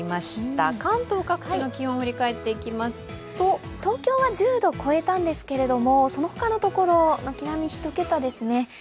関東各地の気温を振り返っていきますと東京は１０度を超えたんですけれども、その他のところ、軒並み１桁ですね。